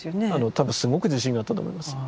多分すごく自信があったと思います。